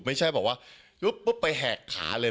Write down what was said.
ไม่ใช่ว่าแหกขาเลย